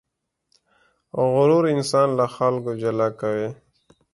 غرور انسان له خلکو جلا کوي.